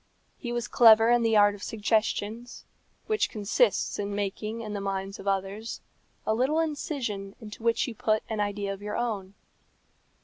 He was clever in the art of suggestion, which consists in making in the minds of others a little incision into which you put an idea of your own.